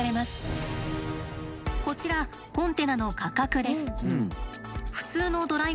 こちらコンテナの価格です。